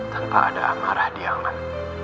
tanpa ada amarah diaman